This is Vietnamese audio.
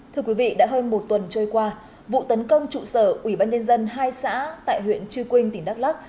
thưa quý vị đã hơn một tuần trôi qua vụ tấn công trụ sở ủy ban nhân dân hai xã tại huyện chư quynh tỉnh đắk lắc